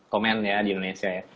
komen ya di indonesia ya